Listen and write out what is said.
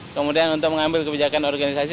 kemudian untuk mengambil kebijakan organisasi